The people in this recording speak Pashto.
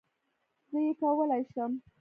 زه یې کولای شم